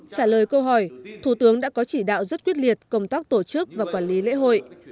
trả lời câu hỏi thủ tướng đã có chỉ đạo rất quyết liệt công tác tổ chức và quản lý lễ hội